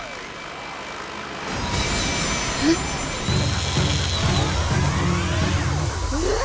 えっ⁉ええっ⁉